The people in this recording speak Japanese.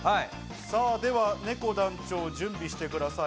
ねこ団長、準備してください。